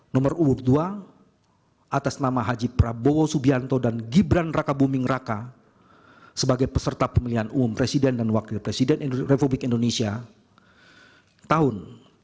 nomor urut dua atas nama haji prabowo subianto dan gibran raka buming raka sebagai peserta pemilihan umum presiden dan wakil presiden republik indonesia tahun dua ribu sembilan belas